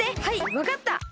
はいわかった！